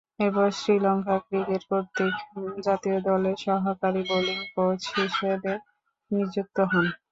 এরপর, শ্রীলঙ্কা ক্রিকেট কর্তৃক জাতীয় দলের সহকারী বোলিং কোচ হিসেবে নিযুক্ত হন।